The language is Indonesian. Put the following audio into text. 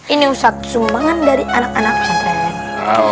ini usahak sumbangan dari anak anak usahak terima